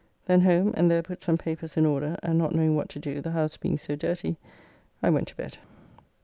Then home and there put some papers in order, and not knowing what to do, the house being so dirty, I went to bed.